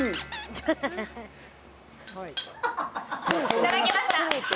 いただきました。